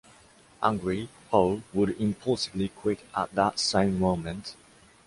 Angry, Poe would impulsively quit at that same moment.